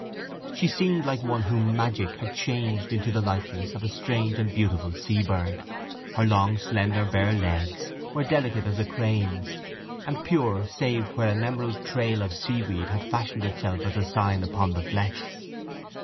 She seemed like one whom magic had changed into the likeness of a strange and beautiful seabird. Her long slender bare legs were delicate as a crane's and pure save where an emerald trail of seaweed had fashioned itself as a sign upon the flesh.